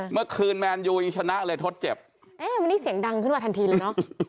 เมื่อคืนแมนยูยังชนะเลยทดเจ็บเอ๊ะวันนี้เสียงดังขึ้นมาทันทีเลยเนอะ